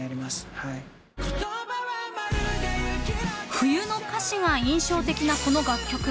［冬の歌詞が印象的なこの楽曲］